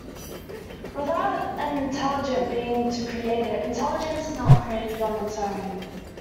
Without an intelligent being to create it, intelligence is not created on its own.